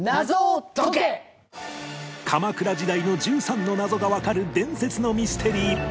鎌倉時代の１３の謎がわかる伝説のミステリー